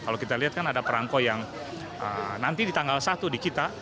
kalau kita lihat kan ada perangko yang nanti di tanggal satu di kita